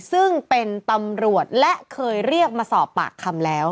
ซึ่งเป็นตำรวจและเคยเรียกมาสอบปากคำแล้ว